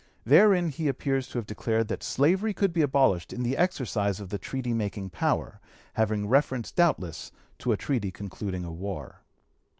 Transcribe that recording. Therein he appears to have declared that slavery could be abolished in the exercise of the treaty making power, having reference doubtless to a treaty concluding a war.